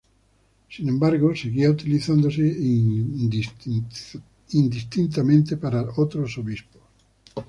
Sin embargo, seguía utilizándose indistintamente para otros obispos.